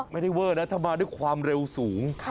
ไม่ได้เวอร์นะถ้ามาด้วยความเร็วสูง